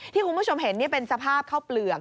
ที่คุณผู้ชมเห็นเป็นสภาพข้าวเปลือก